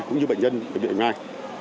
cũng như bệnh nhân bệnh viện bệnh mai